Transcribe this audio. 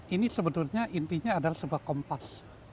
ini sebetulnya intinya adalah sebuah kompas